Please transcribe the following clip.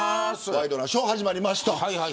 ワイドナショー始まりました。